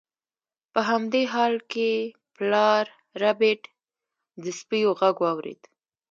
په همدې حال کې پلار ربیټ د سپیو غږ واورید